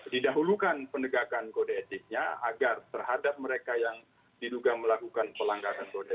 didahulukan penegakan kode etiknya agar terhadap mereka yang diduga melakukan pelanggaran kode